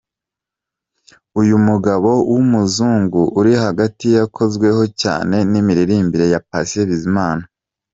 Uyu mugabo w'umuzungu uri hagati yakozweho cyane n'imiririmbire ya Patient Bizimana.